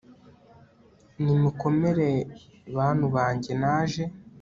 nimukomere bantu bange naje